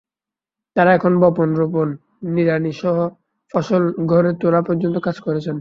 তাঁরা এখন বপন, রোপণ, নিড়ানিসহ ফসল ঘরে তোলা পর্যন্ত কাজ করছেন।